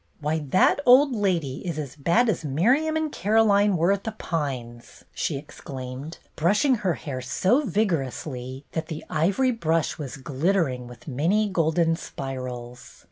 "Why, that old lady is as bad as Miriam and Caroline were at 'The Pines'!'' she ex claimed, brushing her hair so vigorously that the ivory brush was glittering with many golden spirals.